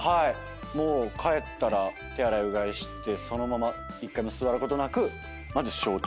もう帰ったら手洗いうがいしてそのまま１回も座ることなく。